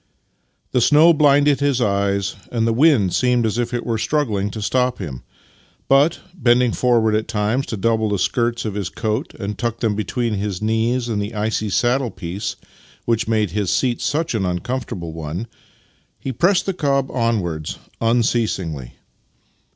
The snow blinded his eyes and the wind seemed as if it were struggling to stop him, but, bending forward at times to double the skirts of his coat and tuck them between his knees and the icy saddle piece which made his seat such an uncomfortable one, he pressed the cob onwards un ceasingly.